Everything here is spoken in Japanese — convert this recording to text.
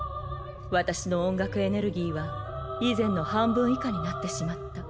私の音楽エネルギーは以前の半分以下になってしまった。